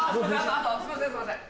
あとすいませんすいません。